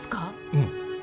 うん